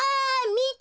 みて！